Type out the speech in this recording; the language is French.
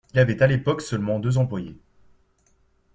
Il avait à l'époque seulement deux employés.